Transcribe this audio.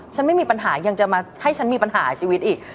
ไม่มีปัญหายังจะมาให้ฉันมีปัญหาชีวิตอีก